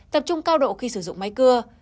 tập trung cao độ khi sử dụng máy cưa